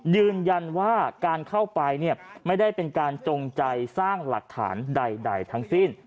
ยืนยันว่าการเข้าไปเนี่ยไม่ได้เป็นการจงใจสร้างหลักฐานใดทั้งสิ้น